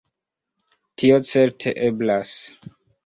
Tio certe eblas.